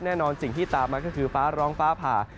แน่นอนสิ่งที่ตามมาก็คือฟ้าร้องฟ้าผ่า